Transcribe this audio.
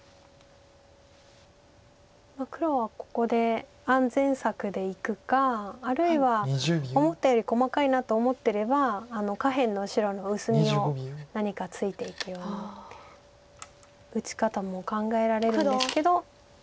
黒はここで安全策でいくかあるいは思ったより細かいなと思ってれば下辺の白の薄みを何かついていくような打ち方も考えられるんですけど。